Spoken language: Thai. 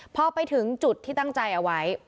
พอไปถึงจุดที่ตั้งใจเอาไว้